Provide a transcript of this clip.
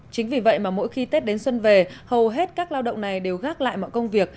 chính vì vậy mà mỗi khi tết đến xuân về hầu hết các lao động này đều gác lại mọi công việc